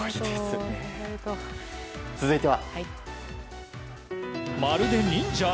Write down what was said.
続いては。